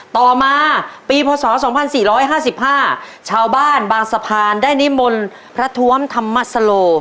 ต่อมาปีพศ๒๔๕๕ชาวบ้านบางสะพานได้นิมนต์พระทวมธรรมสโล